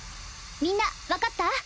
みんな分かった？